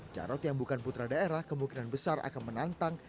jarod yang bukan putra daerah kemungkinan besar akan menantang